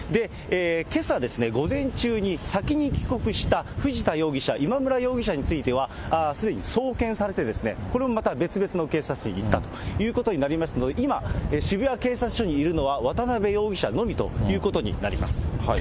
けさ午前中に先に帰国した、藤田容疑者、今村容疑者についてはすでに送検されて、これもまた別々の警察署に行ったということになりますので、今、渋谷警察署にいるのは渡辺容疑者のみということになります。